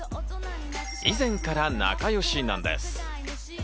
以前から仲よしなんです。